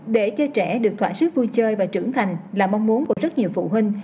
để cho trẻ được thỏa sức vui chơi và trưởng thành là mong muốn của rất nhiều phụ huynh